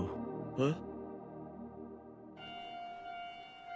えっ？